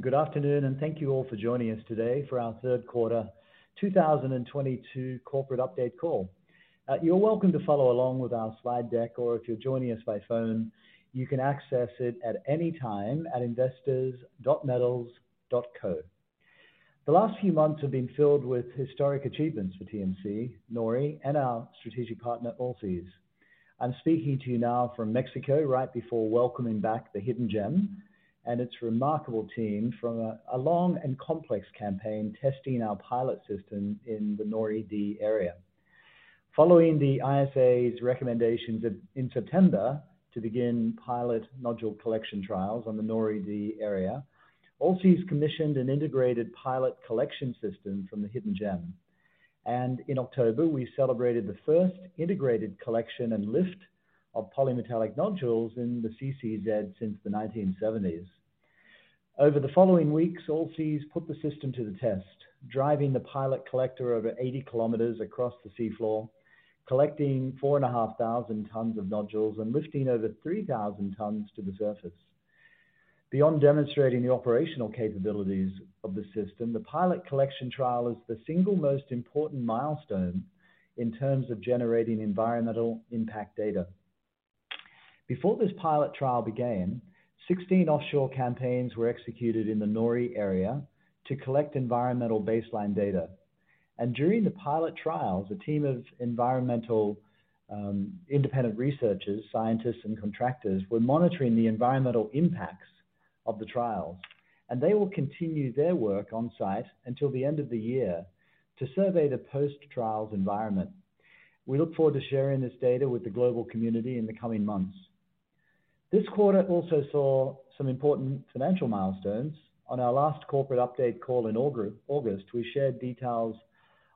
Good afternoon, and thank you all for joining us today for our third quarter 2022 corporate update call. You're welcome to follow along with our slide deck, or if you're joining us by phone, you can access it at any time at investors.metals.co. The last few months have been filled with historic achievements for TMC, NORI, and our strategic partner, Allseas. I'm speaking to you now from Mexico right before welcoming back the Hidden Gem and its remarkable team from a long and complex campaign testing our pilot system in the NORI-D area. Following the ISA's recommendations in September to begin pilot nodule collection trials on the NORI-D area, Allseas commissioned an integrated pilot collection system from the Hidden Gem. In October, we celebrated the first integrated collection and lift of polymetallic nodules in the CCZ since the 1970s. Over the following weeks, Allseas put the system to the test, driving the pilot collector over 80 km across the seafloor, collecting 4,500 tons of nodules and lifting over 3,000 tons to the surface. Beyond demonstrating the operational capabilities of the system, the pilot collection trial is the single most important milestone in terms of generating environmental impact data. Before this pilot trial began, 16 offshore campaigns were executed in the NORI area to collect environmental baseline data. During the pilot trials, a team of environmental, independent researchers, scientists, and contractors were monitoring the environmental impacts of the trials, and they will continue their work on-site until the end of the year to survey the post-trials environment. We look forward to sharing this data with the global community in the coming months. This quarter also saw some important financial milestones. On our last corporate update call in August, we shared details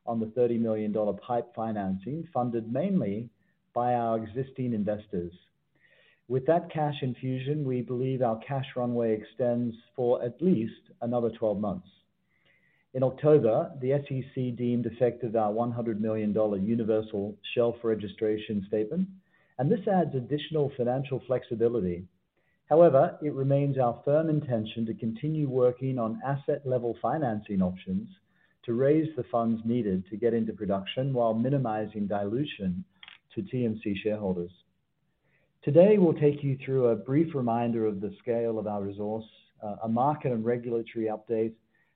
on the $30 million PIPE financing, funded mainly by our existing investors. With that cash infusion, we believe our cash runway extends for at least another 12 months. In October, the SEC deemed effective our $100 million universal shelf registration statement, and this adds additional financial flexibility. However, it remains our firm intention to continue working on asset-level financing options to raise the funds needed to get into production while minimizing dilution to TMC shareholders. Today, we'll take you through a brief reminder of the scale of our resource, a market and regulatory update,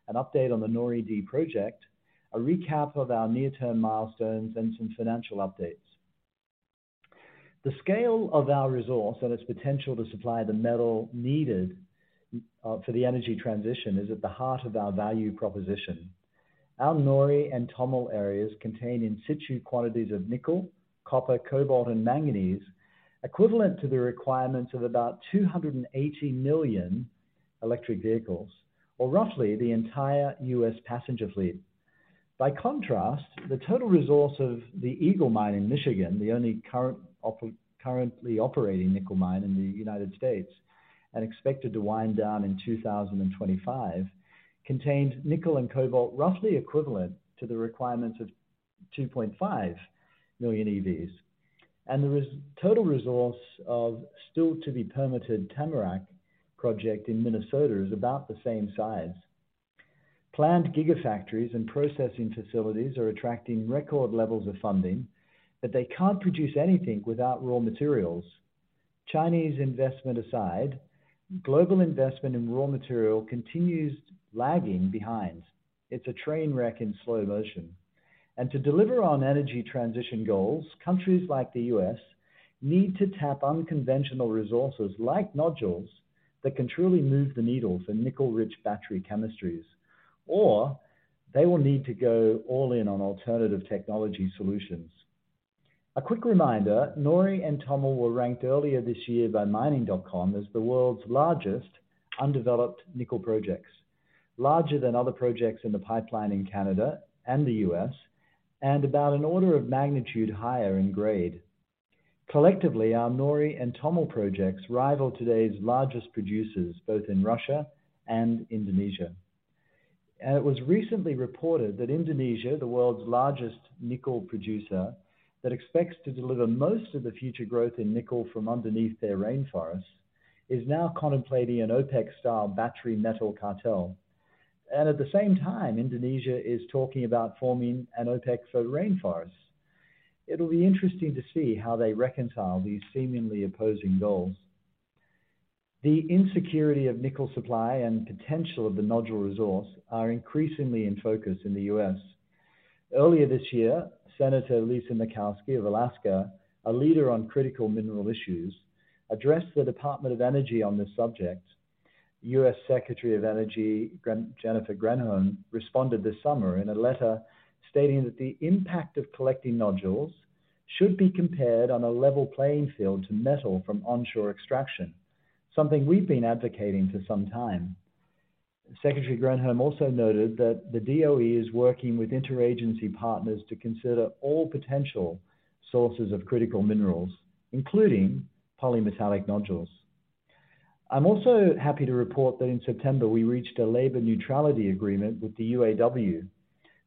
an update on the NORI-D project, a recap of our near-term milestones, and some financial updates. The scale of our resource and its potential to supply the metal needed for the energy transition is at the heart of our value proposition. Our NORI and TOML areas contain in situ quantities of nickel, copper, cobalt, and manganese equivalent to the requirements of about 280 million electric vehicles, or roughly the entire U.S. passenger fleet. By contrast, the total resource of the Eagle Mine in Michigan, the only currently operating nickel mine in the United States, and expected to wind down in 2025, contained nickel and cobalt roughly equivalent to the requirements of 2.5 million EVs. The total resource of still to be permitted Tamarack project in Minnesota is about the same size. Planned gigafactories and processing facilities are attracting record levels of funding, but they can't produce anything without raw materials. Chinese investment aside, global investment in raw material continues lagging behind. It's a train wreck in slow motion. To deliver on energy transition goals, countries like the U.S. need to tap unconventional resources like nodules that can truly move the needle for nickel-rich battery chemistries. They will need to go all in on alternative technology solutions. A quick reminder, NORI and TOML were ranked earlier this year by Mining.com as the world's largest undeveloped nickel projects, larger than other projects in the pipeline in Canada and the U.S. and about an order of magnitude higher in grade. Collectively, our NORI and TOML projects rival today's largest producers, both in Russia and Indonesia. It was recently reported that Indonesia, the world's largest nickel producer that expects to deliver most of the future growth in nickel from underneath their rainforest, is now contemplating an OPEC-style battery metal cartel. At the same time, Indonesia is talking about forming an OPEC for rainforests. It'll be interesting to see how they reconcile these seemingly opposing goals. The insecurity of nickel supply and potential of the nodule resource are increasingly in focus in the U.S. Earlier this year, Senator Lisa Murkowski of Alaska, a leader on critical mineral issues, addressed the Department of Energy on this subject. U.S. Secretary of Energy Jennifer Granholm responded this summer in a letter stating that the impact of collecting nodules should be compared on a level playing field to metal from onshore extraction, something we've been advocating for some time. Secretary Granholm also noted that the DOE is working with inter-agency partners to consider all potential sources of critical minerals, including polymetallic nodules. I'm also happy to report that in September we reached a labor neutrality agreement with the UAW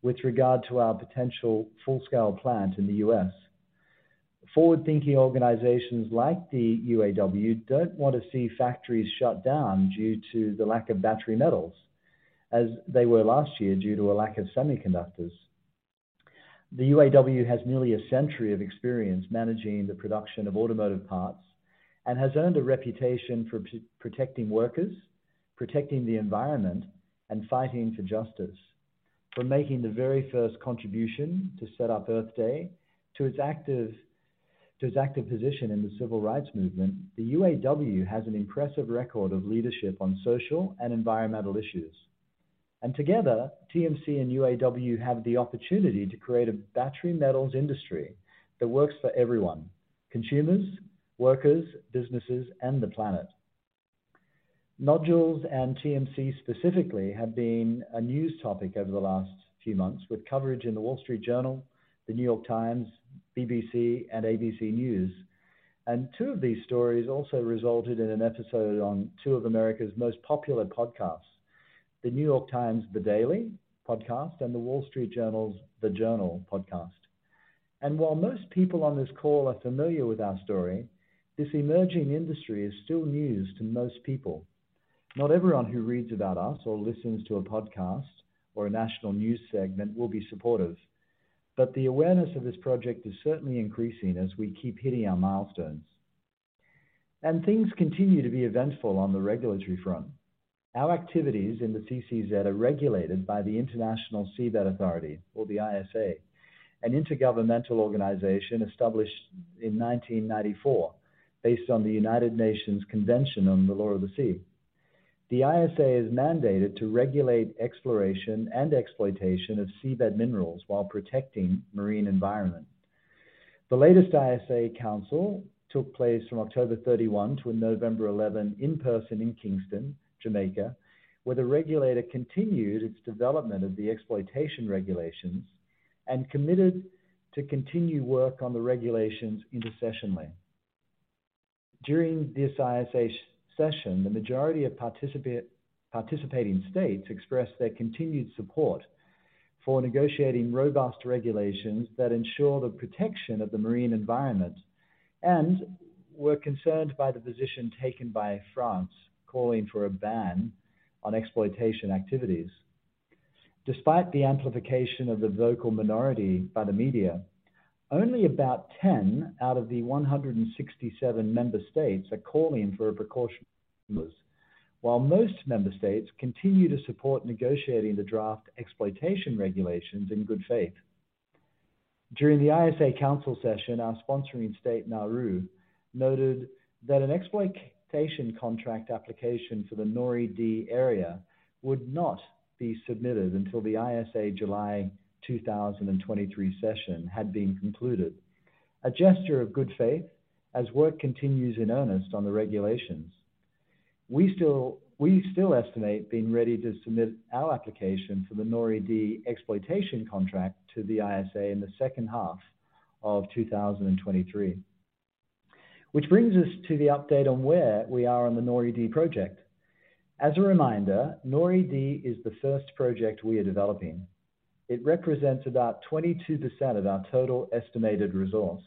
with regard to our potential full-scale plant in the U.S. Forward-thinking organizations like the UAW don't want to see factories shut down due to the lack of battery metals as they were last year due to a lack of semiconductors. The UAW has nearly a century of experience managing the production of automotive parts and has earned a reputation for protecting workers, protecting the environment, and fighting for justice. From making the very first contribution to set up Earth Day to its active position in the civil rights movement, the UAW has an impressive record of leadership on social and environmental issues. Together, TMC and UAW have the opportunity to create a battery metals industry that works for everyone, consumers, workers, businesses, and the planet. Nodules and TMC specifically have been a news topic over the last few months, with coverage in The Wall Street Journal, The New York Times, BBC, and ABC News. Two of these stories also resulted in an episode on two of America's most popular podcasts, The New York Times' The Daily podcast and The Wall Street Journal's The Journal podcast. While most people on this call are familiar with our story, this emerging industry is still news to most people. Not everyone who reads about us or listens to a podcast or a national news segment will be supportive. The awareness of this project is certainly increasing as we keep hitting our milestones. Things continue to be eventful on the regulatory front. Our activities in the CCZ are regulated by the International Seabed Authority or the ISA, an intergovernmental organization established in 1994 based on the United Nations Convention on the Law of the Sea. The ISA is mandated to regulate exploration and exploitation of seabed minerals while protecting marine environment. The latest ISA Council took place from October 31 to November 11 in person in Kingston, Jamaica, where the regulator continued its development of the exploitation regulations and committed to continue work on the regulations intersessionally. During this ISA session, the majority of participating states expressed their continued support for negotiating robust regulations that ensure the protection of the marine environment and were concerned by the position taken by France calling for a ban on exploitation activities. Despite the amplification of the vocal miNORIty by the media, only about 10 out of the 167 member states are calling for a precautionary approach, while most member states continue to support negotiating the draft exploitation regulations in good faith. During the ISA Council session, our sponsoring state, Nauru, noted that an exploitation contract application for the NORI-D area would not be submitted until the ISA July 2023 session had been concluded. A gesture of good faith as work continues in earnest on the regulations. We still estimate being ready to submit our application for the NORI-D exploitation contract to the ISA in the second half of 2023. Which brings us to the update on where we are on the NORI-D project. As a reminder, NORI-D is the first project we are developing. It represents about 22% of our total estimated resource.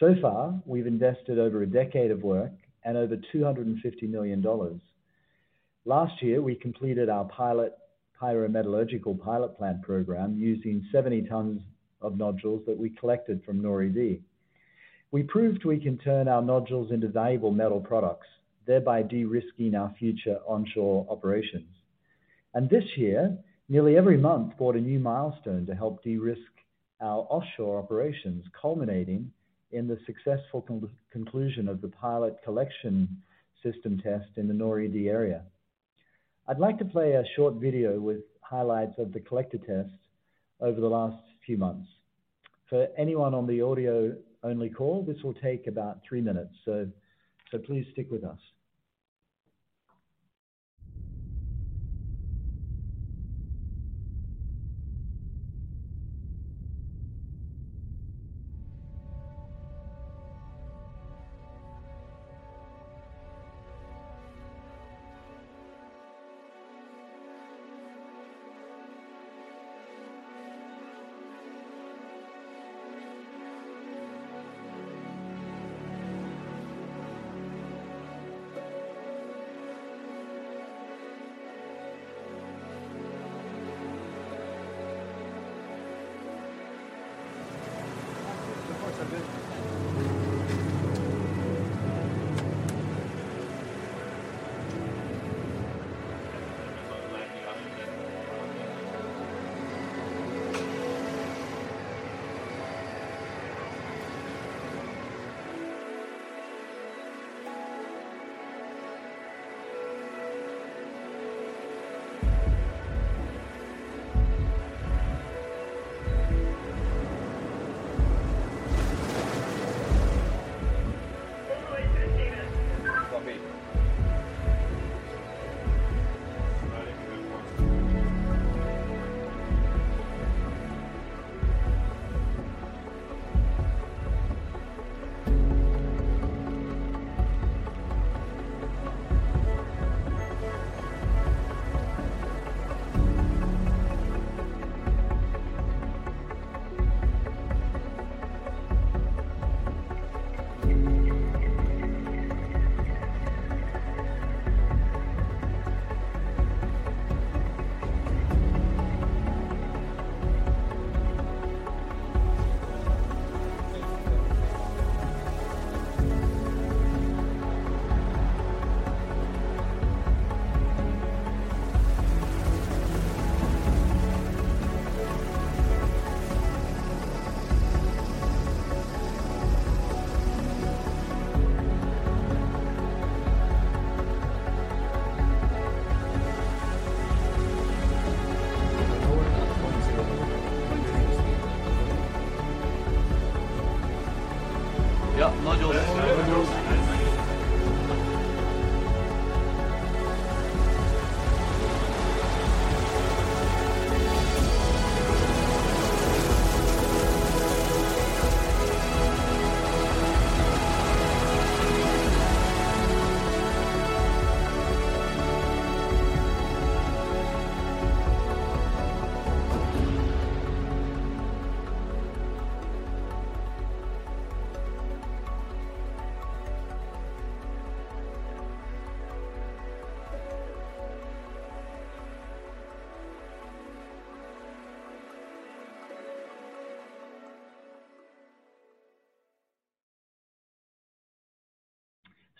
So far, we've invested over a decade of work and over $250 million. Last year, we completed our pilot pyrometallurgical pilot plant program using 70 tons of nodules that we collected from NORI-D. We proved we can turn our nodules into valuable metal products, thereby de-risking our future onshore operations. This year, nearly every month brought a new milestone to help de-risk our offshore operations, culminating in the successful conclusion of the pilot collection system test in the NORI-D area. I'd like to play a short video with highlights of the collector tests over the last few months. For anyone on the audio-only call, this will take about three minutes, so please stick with us.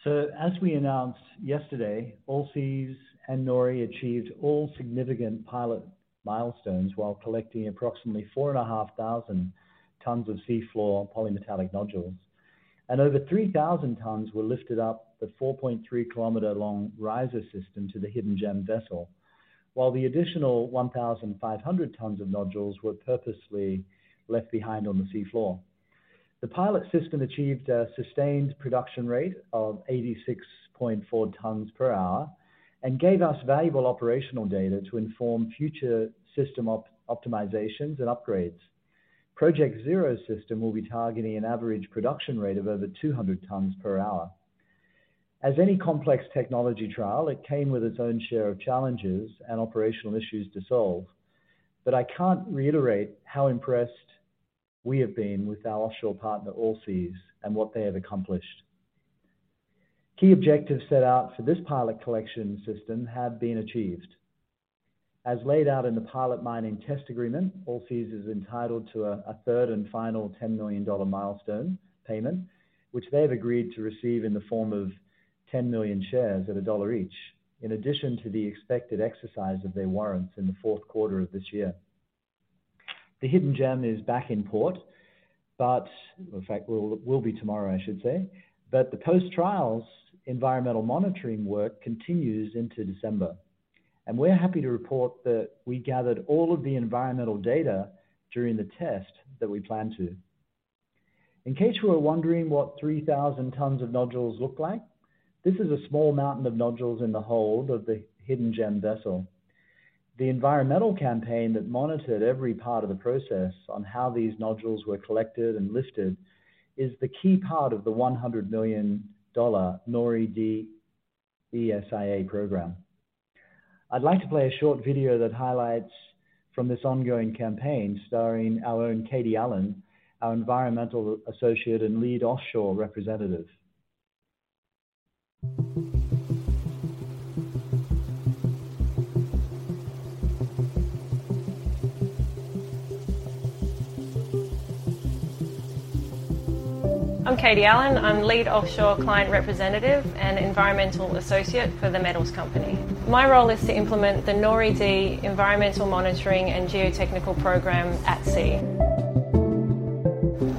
As we announced yesterday, Allseas and NORI achieved all significant pilot milestones while collecting approximately 4,500 tons of seafloor polymetallic nodules. Over 3,000 tons were lifted up the 4.3-km-long riser system to the Hidden Gem vessel. While the additional 1,500 tons of nodules were purposely left behind on the seafloor. The pilot system achieved a sustained production rate of 86.4 tons per hour and gave us valuable operational data to inform future system optimizations and upgrades. Project Zero system will be targeting an average production rate of over 200 tons per hour. As any complex technology trial, it came with its own share of challenges and operational issues to solve. I can't reiterate how impressed we have been with our offshore partner, Allseas, and what they have accomplished. Key objectives set out for this pilot collection system have been achieved. As laid out in the pilot mining test agreement, Allseas is entitled to a third and final $10 million milestone payment, which they have agreed to receive in the form of 10 million shares at $1 each, in addition to the expected exercise of their warrants in the fourth quarter of this year. The Hidden Gem is back in port. In fact, it will be tomorrow, I should say. The post-trials environmental monitoring work continues into December, and we're happy to report that we gathered all of the environmental data during the test that we planned to. In case you were wondering what 3,000 tons of nodules look like, this is a small mountain of nodules in the hold of the Hidden Gem vessel. The environmental campaign that monitored every part of the process on how these nodules were collected and lifted is the key part of the $100 million NORI-D ESIA program. I'd like to play a short video that highlights from this ongoing campaign starring our own Katie Allen, our environmental associate and lead offshore representative. I'm Katie Allen. I'm lead offshore client representative and environmental associate for The Metals Company. My role is to implement the NORI-D environmental monitoring and geotechnical program at sea.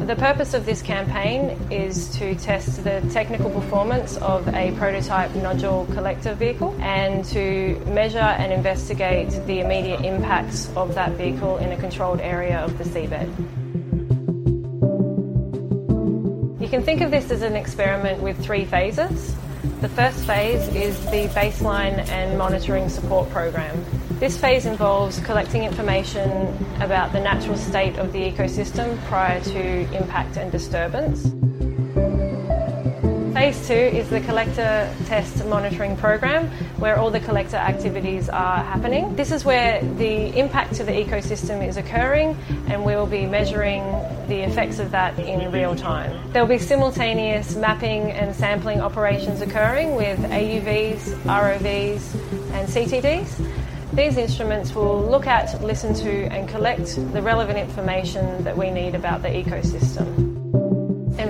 The purpose of this campaign is to test the technical performance of a prototype nodule collector vehicle and to measure and investigate the immediate impacts of that vehicle in a controlled area of the seabed. You can think of this as an experiment with three phases. The first phase is the baseline and monitoring support program. This phase involves collecting information about the natural state of the ecosystem prior to impact and disturbance. Phase II is the collector test monitoring program, where all the collector activities are happening. This is where the impact to the ecosystem is occurring, and we will be measuring the effects of that in real-time. There'll be simultaneous mapping and sampling operations occurring with AUVs, ROVs, and CTDs. These instruments will look at, listen to, and collect the relevant information that we need about the ecosystem.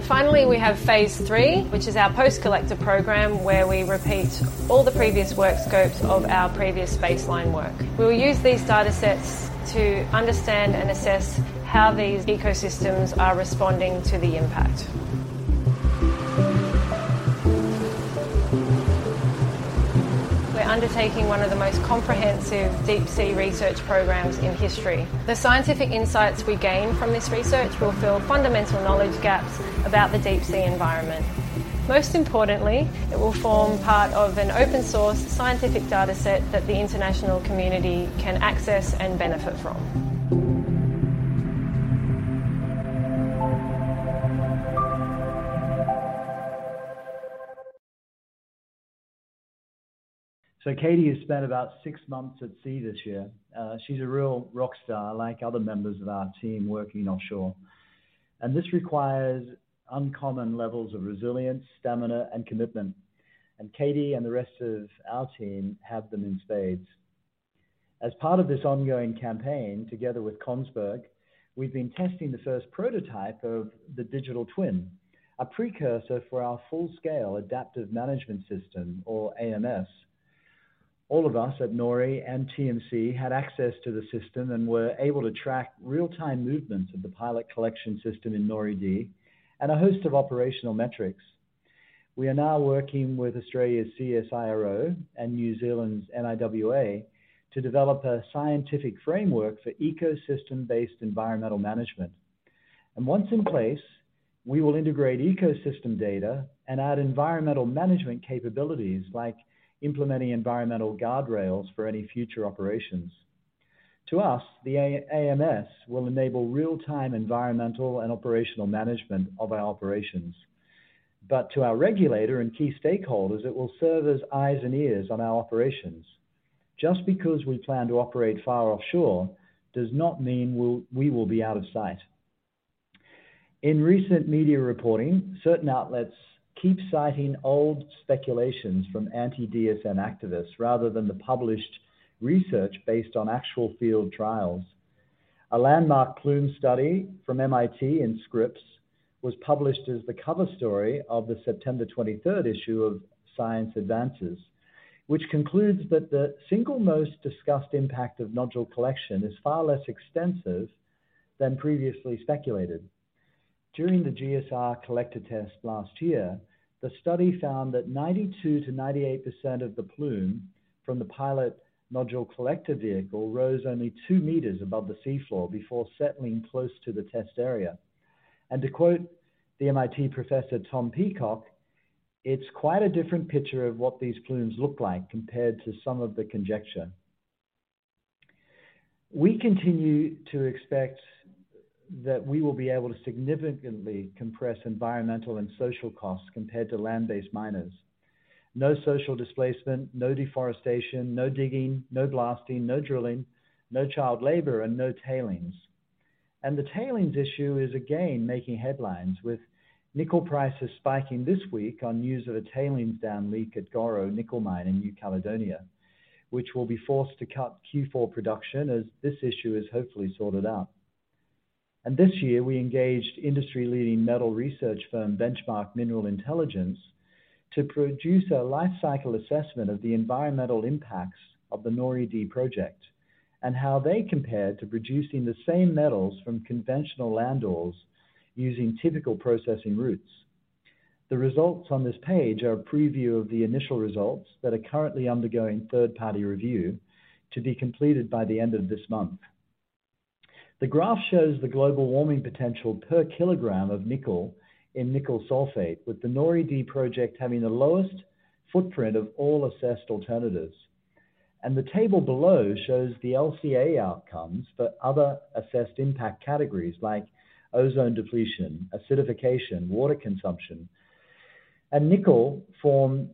Finally, we have phase three, which is our post-collector program, where we repeat all the previous work scopes of our previous baseline work. We will use these datasets to understand and assess how these ecosystems are responding to the impact. We're undertaking one of the most comprehensive deep-sea research programs in history. The scientific insights we gain from this research will fill fundamental knowledge gaps about the deep-sea environment. Most importantly, it will form part of an open-source scientific dataset that the international community can access and benefit from. Katie has spent about six months at sea this year. She's a real rock star like other members of our team working offshore. This requires uncommon levels of resilience, stamina, and commitment. Katie and the rest of our team have them in spades. As part of this ongoing campaign, together with Kongsberg, we've been testing the first prototype of the digital twin, a precursor for our full-scale adaptive management system or AMS. All of us at NORI and TMC had access to the system and were able to track real-time movements of the pilot collection system in NORI-D and a host of operational metrics. We are now working with Australia's CSIRO and New Zealand's NIWA to develop a scientific framework for ecosystem-based environmental management. Once in place, we will integrate ecosystem data and add environmental management capabilities like implementing environmental guardrails for any future operations. To us, the AMS will enable real-time environmental and operational management of our operations. To our regulator and key stakeholders, it will serve as eyes and ears on our operations. Just because we plan to operate far offshore does not mean we will be out of sight. In recent media reporting, certain outlets keep citing old speculations from anti-DSM activists rather than the published research based on actual field trials. A landmark plume study from MIT and Scripps was published as the cover story of the September twenty-third issue of Science Advances, which concludes that the single most discussed impact of nodule collection is far less extensive than previously speculated. During the GSR collector test last year, the study found that 92%-98% of the plume from the pilot nodule collector vehicle rose only 2 m above the seafloor before settling close to the test area. To quote the MIT professor, Thomas Peacock, "It's quite a different picture of what these plumes look like compared to some of the conjecture." We continue to expect that we will be able to significantly compress environmental and social costs compared to land-based miners. No social displacement, no deforestation, no digging, no blasting, no drilling, no child labor, and no tailings. The tailings issue is again making headlines, with nickel prices spiking this week on news of a tailings dam leak at Goro nickel mine in New Caledonia, which will be forced to cut Q4 production as this issue is hopefully sorted out. This year, we engaged industry-leading metal research firm Benchmark Mineral Intelligence to produce a life cycle assessment of the environmental impacts of the NORI-D project and how they compare to producing the same metals from conventional land ores using typical processing routes. The results on this page are a preview of the initial results that are currently undergoing third-party review to be completed by the end of this month. The graph shows the global warming potential per kilogram of nickel in nickel sulfate, with the NORI-D project having the lowest footprint of all assessed alternatives. The table below shows the LCA outcomes for other assessed impact categories like ozone depletion, acidification, water consumption. Nickel from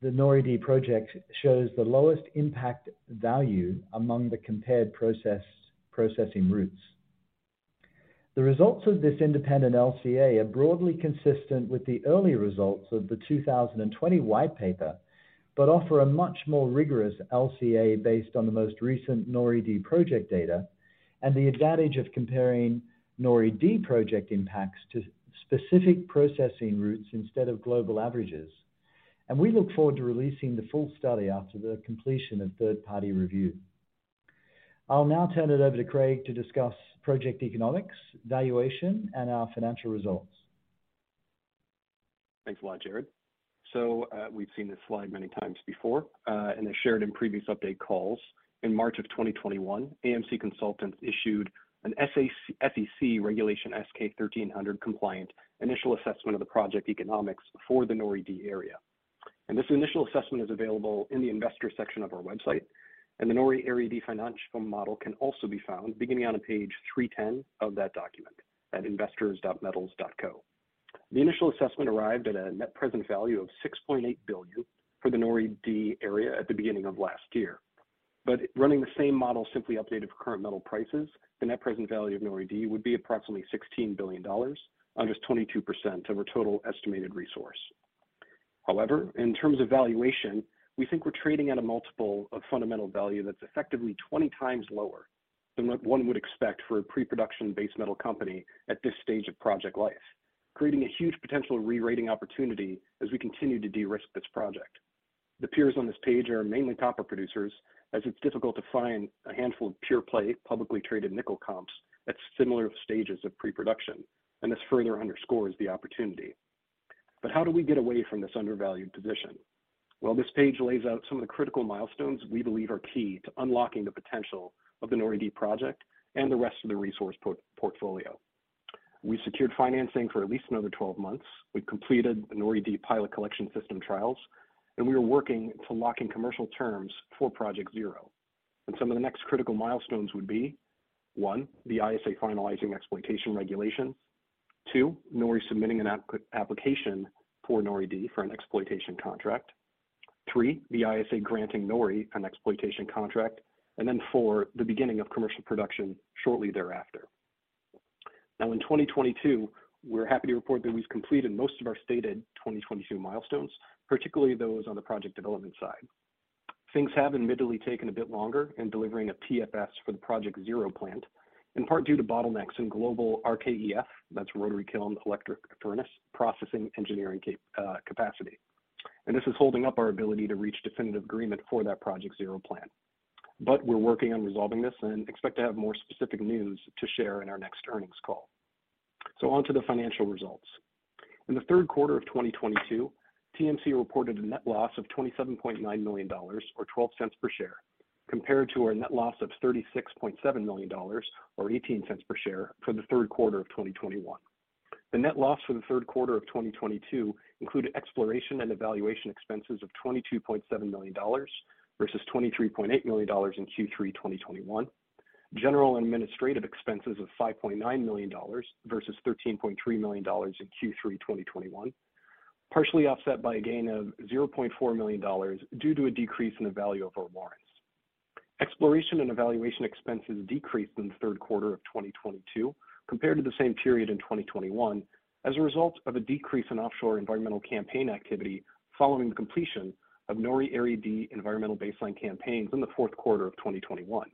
the NORI-D project shows the lowest impact value among the compared processing routes. The results of this independent LCA are broadly consistent with the earlier results of the 2020 white paper, but offer a much more rigorous LCA based on the most recent NORI-D project data and the advantage of comparing NORI-D project impacts to specific processing routes instead of global averages. We look forward to releasing the full study after the completion of third-party review. I'll now turn it over to Craig to discuss project economics, valuation, and our financial results. Thanks a lot, Gerard. We've seen this slide many times before, and as shared in previous update calls. In March 2021, AMC Consultants issued an SEC Regulation S-K 1300 compliant initial assessment of the project economics for the NORI-D area. This initial assessment is available in the investor section of our website, and the NORI Area D financial model can also be found beginning on page 310 of that document at investors.metals.co. The initial assessment arrived at a net present value of $6.8 billion for the NORI-D area at the beginning of last year. Running the same model simply updated for current metal prices, the net present value of NORI-D would be approximately $16 billion on just 22% of our total estimated resource. However, in terms of valuation, we think we're trading at a multiple of fundamental value that's effectively 20x lower than what one would expect for a pre-production base metal company at this stage of project life, creating a huge potential re-rating opportunity as we continue to de-risk this project. The peers on this page are mainly copper producers, as it's difficult to find a handful of pure-play, publicly traded nickel comps at similar stages of pre-production, and this further underscores the opportunity. How do we get away from this undervalued position? Well, this page lays out some of the critical milestones we believe are key to unlocking the potential of the NORI-D project and the rest of the resource portfolio. We secured financing for at least another 12 months. We've completed the NORI-D pilot collection system trials, and we are working to lock in commercial terms for Project Zero. Some of the next critical milestones would be, one, the ISA finalizing exploitation regulations. Two, NORI submitting an application for NORI-D for an exploitation contract. Three, the ISA granting NORI an exploitation contract. Then four, the beginning of commercial production shortly thereafter. Now in 2022, we're happy to report that we've completed most of our stated 2022 milestones, particularly those on the project development side. Things have admittedly taken a bit longer in delivering a TFS for the Project Zero plant, in part due to bottlenecks in global RKEF, that's rotary kiln electric furnace, processing engineering capacity. This is holding up our ability to reach definitive agreement for that Project Zero plant. We're working on resolving this and expect to have more specific news to share in our next earnings call. On to the financial results. In the third quarter of 2022, TMC reported a net loss of $27.9 million or $0.12 per share, compared to our net loss of $36.7 million or $0.18 per share for the third quarter of 2021. The net loss for the third quarter of 2022 included exploration and evaluation expenses of $22.7 million versus $23.8 million in Q3 2021. General and administrative expenses of $5.9 million versus $13.3 million in Q3 2021, partially offset by a gain of $0.4 million due to a decrease in the value of our warrants. Exploration and evaluation expenses decreased in the third quarter of 2022 compared to the same period in 2021 as a result of a decrease in offshore environmental campaign activity following the completion of NORI-D environmental baseline campaigns in the fourth quarter of 2021.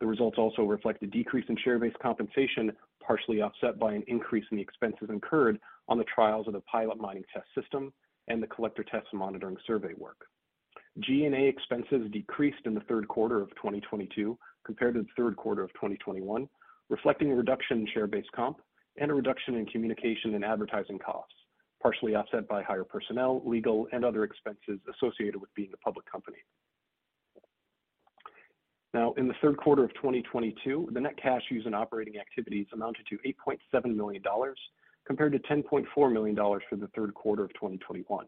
The results also reflect a decrease in share-based compensation, partially offset by an increase in the expenses incurred on the trials of the pilot mining test system and the collector test monitoring survey work. G&A expenses decreased in the third quarter of 2022 compared to the third quarter of 2021, reflecting a reduction in share-based comp and a reduction in communication and advertising costs, partially offset by higher personnel, legal, and other expenses associated with being a public company. In the third quarter of 2022, the net cash used in operating activities amounted to $8.7 million, compared to $10.4 million for the third quarter of 2021.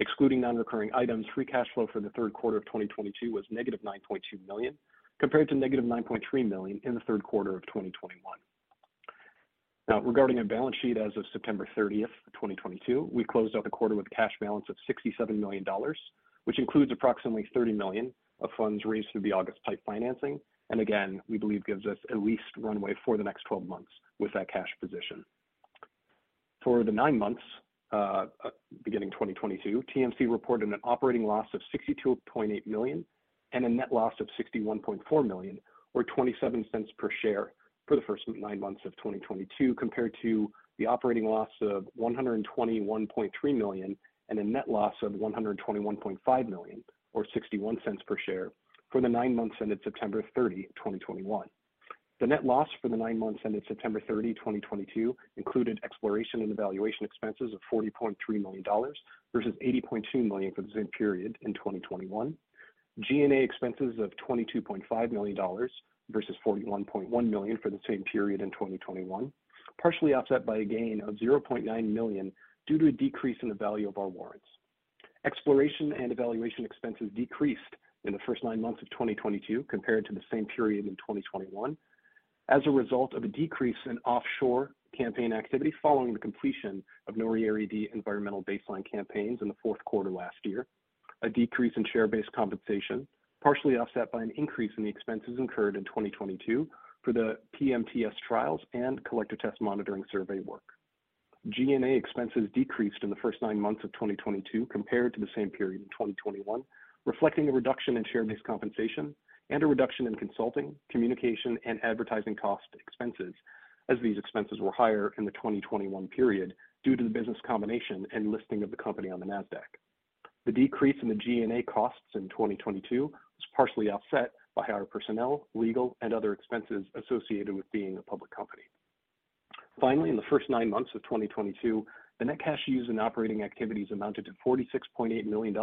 Excluding non-recurring items, free cash flow for the third quarter of 2022 was -$9.2 million, compared to -$9.3 million in the third quarter of 2021. Regarding our balance sheet as of September 30, 2022, we closed out the quarter with a cash balance of $67 million, which includes approximately $30 million of funds raised through the August PIPE financing, and again, we believe gives us at least runway for the next 12 months with that cash position. For the nine months beginning 2022, TMC reported an operating loss of $62.8 million and a net loss of $61.4 million, or $0.27 per share for the first nine months of 2022, compared to the operating loss of $121.3 million and a net loss of $121.5 million, or $0.61 per share for the nine months ended September 30, 2021. The net loss for the nine months ended September 30, 2022 included exploration and evaluation expenses of $40.3 million versus $80.2 million for the same period in 2021. G&A expenses of $22.5 million versus $41.1 million for the same period in 2021, partially offset by a gain of $0.9 million due to a decrease in the value of our warrants. Exploration and evaluation expenses decreased in the first nine months of 2022 compared to the same period in 2021 as a result of a decrease in offshore campaign activity following the completion of NORI Area D environmental baseline campaigns in the fourth quarter last year. A decrease in share-based compensation, partially offset by an increase in the expenses incurred in 2022 for the PMTS trials and collector test monitoring survey work. G&A expenses decreased in the first nine months of 2022 compared to the same period in 2021, reflecting a reduction in share-based compensation and a reduction in consulting, communication, and advertising cost expenses, as these expenses were higher in the 2021 period due to the business combination and listing of the company on the Nasdaq. The decrease in the G&A costs in 2022 was partially offset by higher personnel, legal, and other expenses associated with being a public company. Finally, in the first nine months of 2022, the net cash used in operating activities amounted to $46.8 million,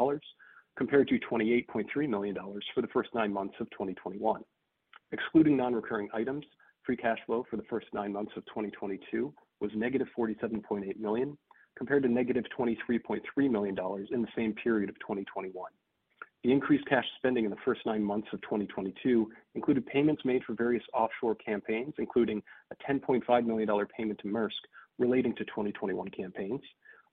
compared to $28.3 million for the first nine months of 2021. Excluding non-recurring items, free cash flow for the first nine months of 2022 was -$47.8 million, compared to -$23.3 million in the same period of 2021. The increased cash spending in the first nine months of 2022 included payments made for various offshore campaigns, including a $10.5 million payment to Maersk relating to 2021 campaigns,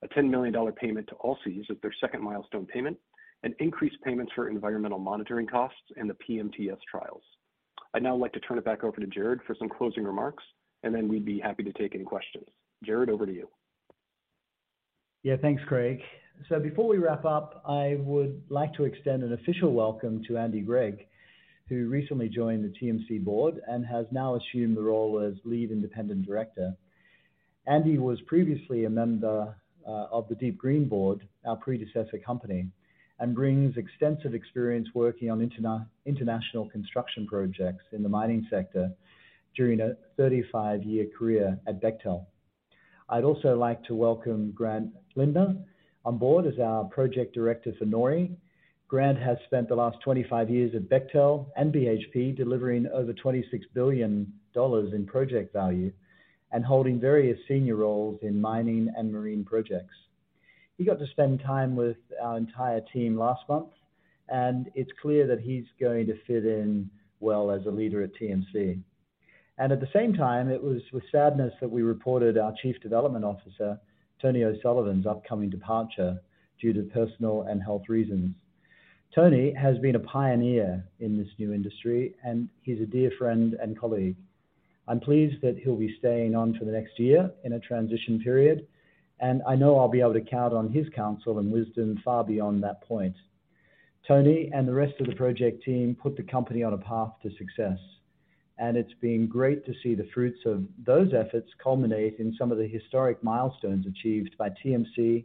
a $10 million payment to Allseas of their second milestone payment, and increased payments for environmental monitoring costs and the PMTS trials. I'd now like to turn it back over to Gerard for some closing remarks, and then we'd be happy to take any questions. Gerard, over to you. Yeah. Thanks, Craig. Before we wrap up, I would like to extend an official welcome to Andy Gregg, who recently joined the TMC board and has now assumed the role as lead independent director. Andy was previously a member of the DeepGreen board, our predecessor company, and brings extensive experience working on international construction projects in the mining sector during a 35-year career at Bechtel. I'd also like to welcome Grant Lindner on board as our project director for NORI. Grant has spent the last 25 years at Bechtel and BHP, delivering over $26 billion in project value and holding various senior roles in mining and marine projects. He got to spend time with our entire team last month, and it's clear that he's going to fit in well as a leader at TMC. At the same time, it was with sadness that we reported our Chief Development Officer, Tony O'Sullivan's upcoming departure due to personal and health reasons. Tony has been a pioneer in this new industry, and he's a dear friend and colleague. I'm pleased that he'll be staying on for the next year in a transition period, and I know I'll be able to count on his counsel and wisdom far beyond that point. Tony and the rest of the project team put the company on a path to success, and it's been great to see the fruits of those efforts culminate in some of the historic milestones achieved by TMC,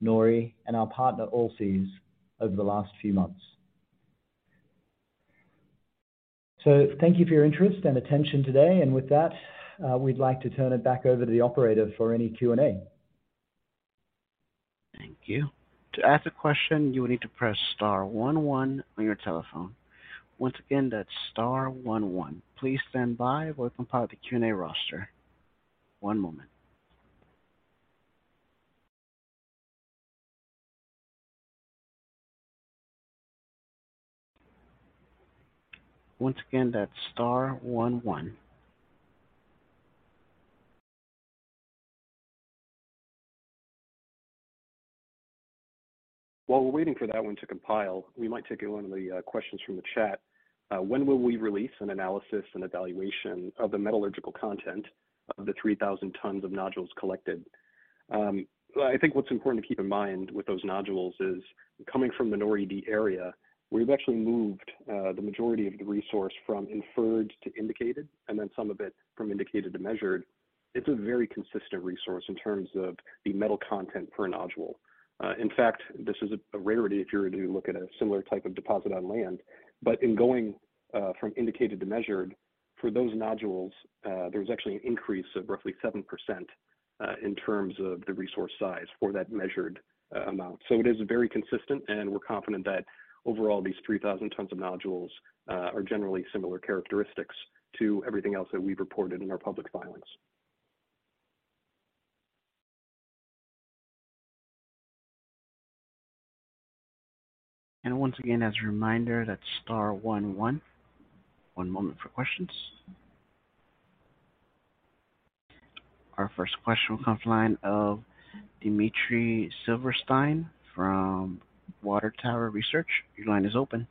NORI, and our partner, Allseas, over the last few months. Thank you for your interest and attention today. With that, we'd like to turn it back over to the operator for any Q&A. Thank you. To ask a question, you will need to press star one one on your telephone. Once again, that's star one one. Please stand by while we compile the Q&A roster. One moment. Once again, that's star one one. While we're waiting for that one to compile, we might take one of the questions from the chat. When will we release an analysis and evaluation of the metallurgical content of the 3,000 tons of nodules collected? I think what's important to keep in mind with those nodules is coming from the NORI-D area, we've actually moved the majority of the resource from inferred to indicated, and then some of it from indicated to measured. It's a very consistent resource in terms of the metal content per nodule. In fact, this is a rarity if you were to look at a similar type of deposit on land. In going from indicated to measured for those nodules, there's actually an increase of roughly 7% in terms of the resource size for that measured amount. It is very consistent, and we're confident that overall, these 3,000 tons of nodules are generally similar characteristics to everything else that we've reported in our public filings. Once again, as a reminder, that's star one one. One moment for questions. Our first question will come from the line of Dmitry Silversteyn from Water Tower Research. Your line is open.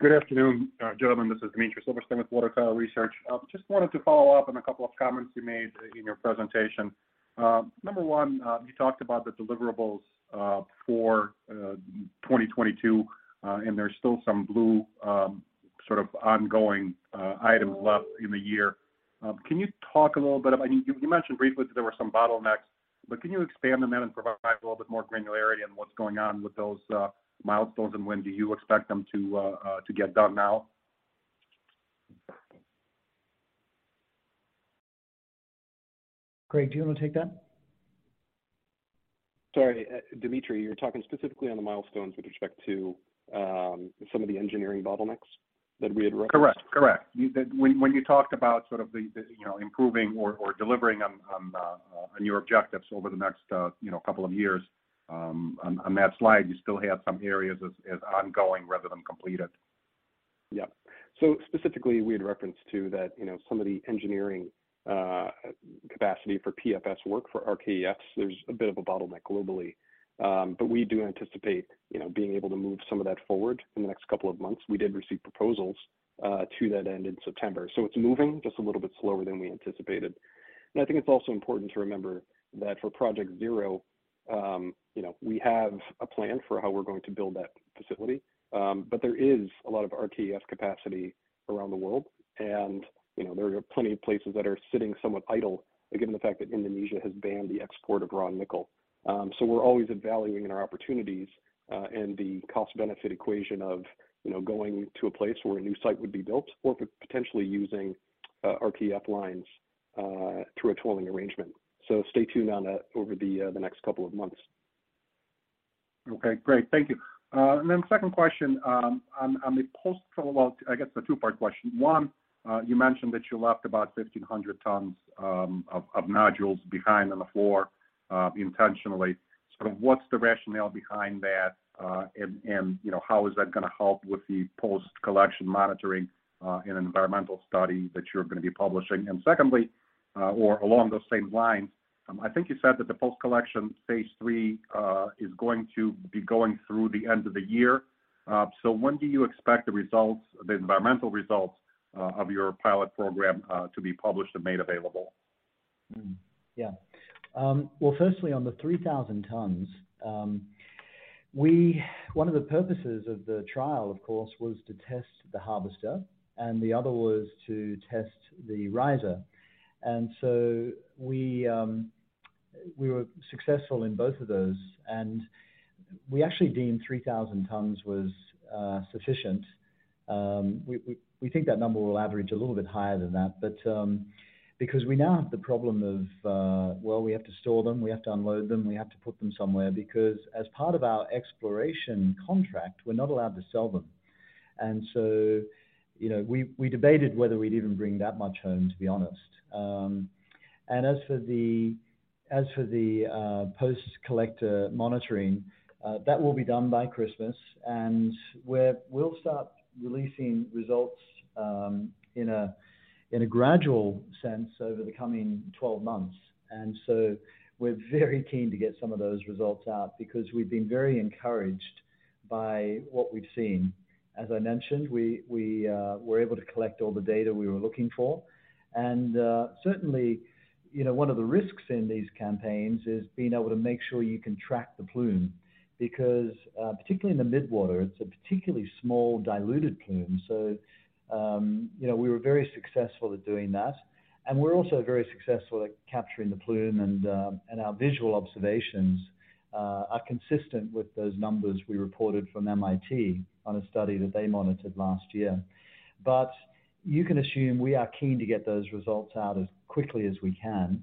Good afternoon, gentlemen. This is Dmitry Silversteyn with Water Tower Research. Just wanted to follow up on a couple of comments you made in your presentation. Number one, you talked about the deliverables for 2022, and there's still some blue sort of ongoing items left in the year. Can you talk a little bit? I mean, you mentioned briefly that there were some bottlenecks, but can you expand on that and provide a little bit more granularity on what's going on with those milestones, and when do you expect them to get done now? Craig, do you wanna take that? Sorry, Dmitry, you're talking specifically on the milestones with respect to some of the engineering bottlenecks that we had referenced? Correct. When you talked about sort of the you know improving or delivering on your objectives over the next you know couple of years, on that slide, you still have some areas as ongoing rather than completed. Yeah. Specifically, we had referenced too that, you know, some of the engineering capacity for PFS work for RKEFs, there's a bit of a bottleneck globally. But we do anticipate, you know, being able to move some of that forward in the next couple of months. We did receive proposals to that end in September. It's moving just a little bit slower than we anticipated. I think it's also important to remember that for Project Zero, you know, we have a plan for how we're going to build that facility. But there is a lot of RKEF capacity around the world, and, you know, there are plenty of places that are sitting somewhat idle, given the fact that Indonesia has banned the export of raw nickel. We're always evaluating our opportunities and the cost-benefit equation of, you know, going to a place where a new site would be built or potentially using RKEF lines through a tolling arrangement. Stay tuned on that over the next couple of months. Okay, great. Thank you. Then second question, I guess a two-part question. One, you mentioned that you left about 1,500 tons of nodules behind on the floor intentionally. Sort of what's the rationale behind that, and how is that gonna help with the post-collection monitoring and environmental study that you're gonna be publishing? Secondly, or along those same lines, I think you said that the post-collection phase three is going to be going through the end of the year. When do you expect the results, the environmental results, of your pilot program, to be published and made available? Well, firstly, on the 3,000 tons, one of the purposes of the trial, of course, was to test the harvester, and the other was to test the riser. We were successful in both of those, and we actually deemed 3,000 tons was sufficient. We think that number will average a little bit higher than that. But because we now have the problem of, well, we have to store them, we have to unload them, we have to put them somewhere because as part of our exploration contract, we're not allowed to sell them. You know, we debated whether we'd even bring that much home, to be honest. As for the post collector monitoring, that will be done by Christmas. We'll start releasing results in a gradual sense over the coming 12 months. We're very keen to get some of those results out because we've been very encouraged by what we've seen. As I mentioned, we were able to collect all the data we were looking for. Certainly, you know, one of the risks in these campaigns is being able to make sure you can track the plume because, particularly in the midwater, it's a particularly small diluted plume. You know, we were very successful at doing that. We're also very successful at capturing the plume. Our visual observations are consistent with those numbers we reported from MIT on a study that they monitored last year. You can assume we are keen to get those results out as quickly as we can.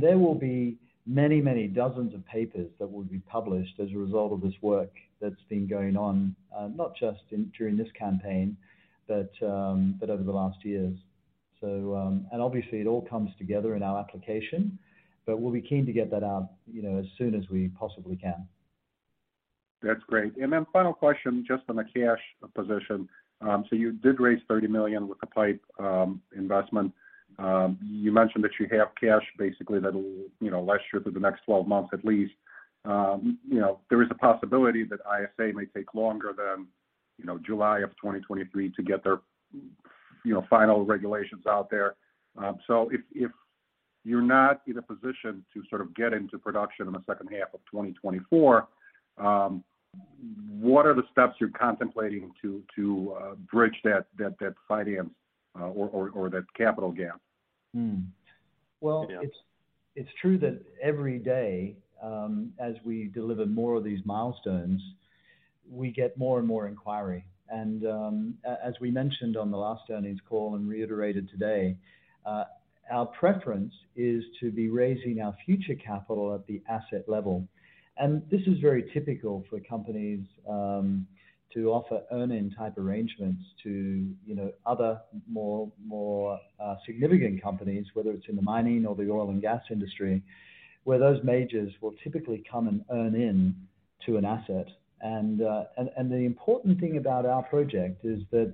There will be many, many dozens of papers that will be published as a result of this work that's been going on, not just during this campaign, but over the last years. Obviously it all comes together in our application, but we'll be keen to get that out, you know, as soon as we possibly can. That's great. Final question, just on the cash position. So you did raise $30 million with the PIPE investment. You mentioned that you have cash basically that'll, you know, last you through the next 12 months at least. You know, there is a possibility that ISA may take longer than, you know, July of 2023 to get their final regulations out there. If you're not in a position to sort of get into production in the second half of 2024, what are the steps you're contemplating to bridge that financing or that capital gap? Well. Yeah. It's true that every day, as we deliver more of these milestones, we get more and more inquiry. As we mentioned on the last earnings call and reiterated today, our preference is to be raising our future capital at the asset level. This is very typical for companies to offer earn-in type arrangements to, you know, other more significant companies, whether it's in the mining or the oil and gas industry, where those majors will typically come and earn in to an asset. The important thing about our project is that,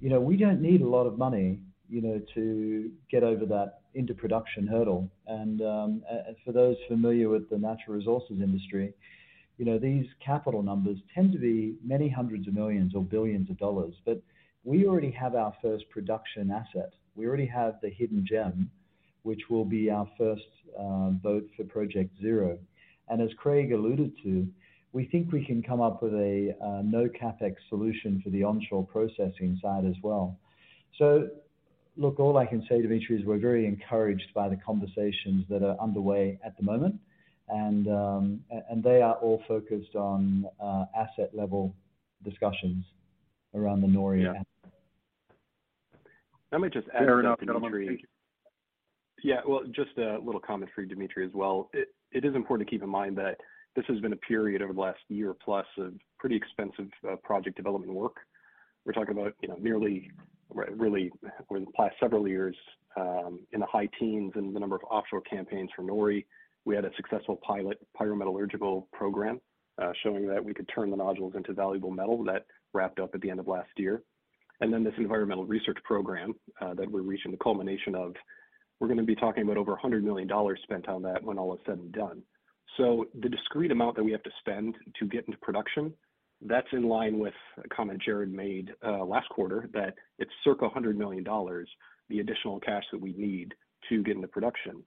you know, we don't need a lot of money, you know, to get over that into production hurdle. For those familiar with the natural resources industry, you know, these capital numbers tend to be many hundreds of millions or billions of dollars. We already have our first production asset. We already have the Hidden Gem, which will be our first boat for Project Zero. As Craig alluded to, we think we can come up with a no CapEx solution for the onshore processing side as well. Look, all I can say, Dmitry, is we're very encouraged by the conversations that are underway at the moment. They are all focused on asset level discussions around the NORI asset. Yeah. Let me just add something, Dmitry. Fair enough. No, thank you. Yeah. Well, just a little comment for you, Dmitry, as well. It is important to keep in mind that this has been a period over the last year plus of pretty expensive project development work. We're talking about nearly really in the past several years in the high teens in the number of offshore campaigns for NORI. We had a successful pilot pyrometallurgical program showing that we could turn the nodules into valuable metal that wrapped up at the end of last year. Then this environmental research program that we're reaching the culmination of, we're gonna be talking about over $100 million spent on that when all is said and done. The discrete amount that we have to spend to get into production, that's in line with a comment Gerard made last quarter, that it's circa $100 million, the additional cash that we need to get into production.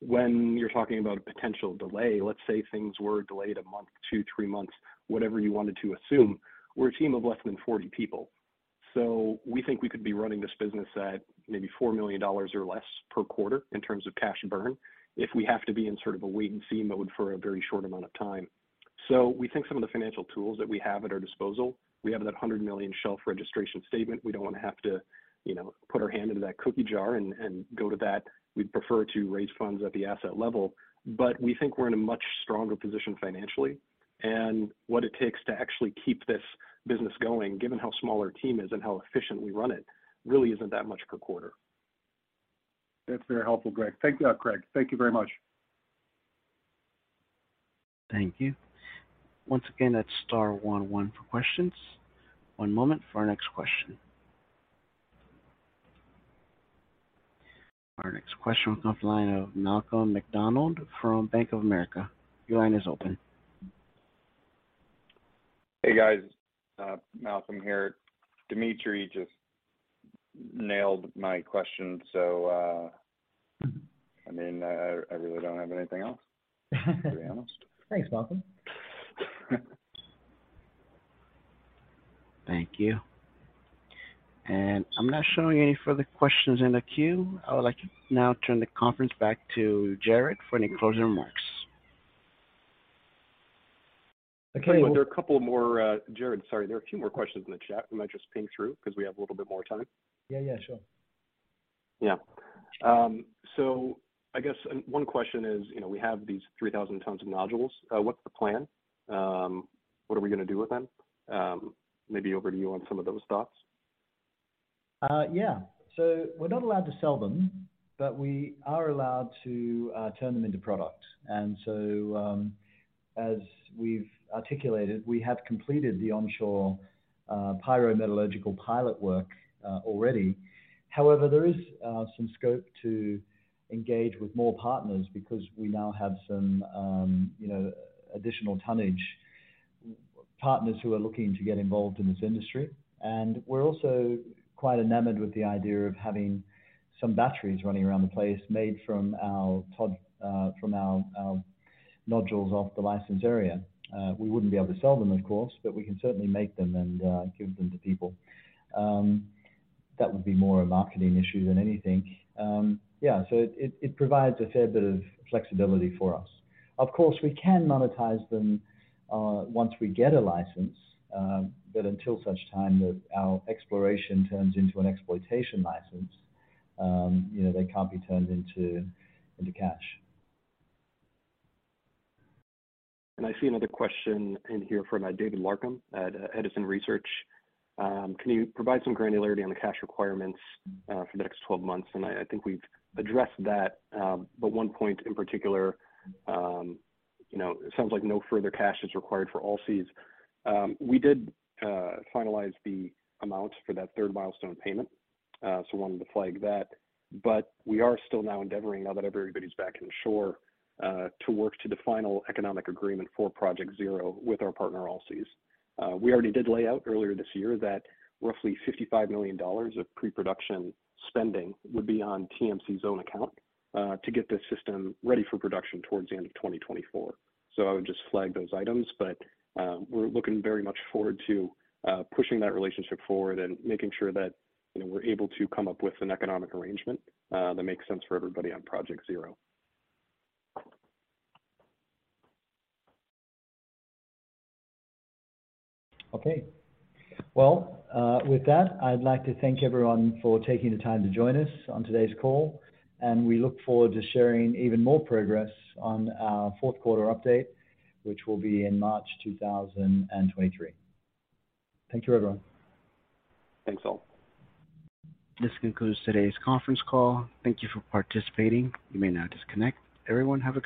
When you're talking about a potential delay, let's say things were delayed a month, two, three months, whatever you wanted to assume, we're a team of less than 40 people. We think we could be running this business at maybe $4 million or less per quarter in terms of cash burn if we have to be in sort of a wait and see mode for a very short amount of time. We think some of the financial tools that we have at our disposal, we have that $100 million shelf registration statement. We don't wanna have to, you know, put our hand into that cookie jar and go to that. We'd prefer to raise funds at the asset level. We think we're in a much stronger position financially. What it takes to actually keep this business going, given how small our team is and how efficient we run it, really isn't that much per quarter. That's very helpful, Craig. Thank you very much. Thank you. Once again, that's star one one for questions. One moment for our next question. Our next question comes from the line of Malcolm MacDonald from Bank of America. Your line is open. Hey, guys. Malcolm here. Dmitry just nailed my question. I mean, I really don't have anything else to be honest. Thanks, Malcolm. Thank you. I'm not showing any further questions in the queue. I would like to now turn the conference back to Gerard for any closing remarks. Okay. Well There are a couple more, Gerard, sorry. There are a few more questions in the chat we might just ping through because we have a little bit more time. Yeah. Yeah. Sure. I guess one question is, you know, we have these 3,000 tons of nodules. What's the plan? What are we gonna do with them? Maybe over to you on some of those thoughts. Yeah. We're not allowed to sell them, but we are allowed to turn them into products. As we've articulated, we have completed the onshore pyrometallurgical pilot work already. However, there is some scope to engage with more partners because we now have some, you know, additional tonnage partners who are looking to get involved in this industry. We're also quite enamored with the idea of having some batteries running around the place made from our nodules off the license area. We wouldn't be able to sell them, of course, but we can certainly make them and give them to people. That would be more a marketing issue than anything. It provides a fair bit of flexibility for us. Of course, we can monetize them once we get a license. Until such time that our exploration turns into an exploitation license, you know, they can't be turned into cash. I see another question in here from David Larkam at Edison Investment Research. Can you provide some granularity on the cash requirements for the next 12 months? I think we've addressed that. But one point in particular, you know, it sounds like no further cash is required for Allseas. We did finalize the amounts for that third milestone payment. So wanted to flag that. We are still now endeavoring now that everybody's back in shore to work to the final economic agreement for Project Zero with our partner, Allseas. We already did lay out earlier this year that roughly $55 million of pre-production spending would be on TMC's own account to get this system ready for production towards the end of 2024. I would just flag those items. We're looking very much forward to pushing that relationship forward and making sure that, you know, we're able to come up with an economic arrangement that makes sense for everybody on Project Zero. Okay. Well, with that, I'd like to thank everyone for taking the time to join us on today's call, and we look forward to sharing even more progress on our fourth quarter update, which will be in March 2023. Thank you, everyone. Thanks, all. This concludes today's conference call. Thank you for participating. You may now disconnect. Everyone, have a great day.